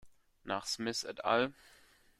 Nach Smith et al.